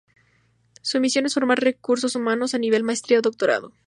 Su misión es formar recursos humanos a nivel maestría o doctorado.